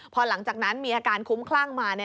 พอหลังจากนั้นมีอาการคุ้มคลั่งมา